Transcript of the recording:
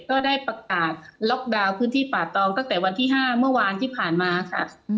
ก็ได้ประกาศล็อกดาวน์พื้นที่ป่าตองตั้งแต่วันที่๕เมื่อวานที่ผ่านมาค่ะ